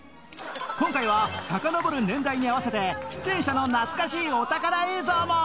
今回はさかのぼる年代に合わせて出演者の懐かしいお宝映像も！